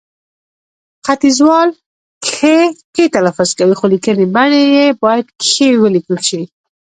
ختیځوال کښې، کې تلفظ کوي، خو لیکنې بڼه يې باید کښې ولیکل شي